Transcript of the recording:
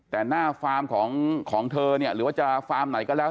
แต่หน้าฟาร์มของเธอเนี่ยหรือว่าจะฟาร์มไหนก็แล้ว